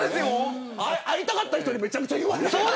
会いたかった人にめちゃくちゃ言われる。